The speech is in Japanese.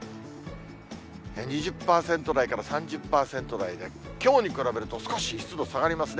２０％台から３０％台で、きょうに比べると少し湿度、下がりますね。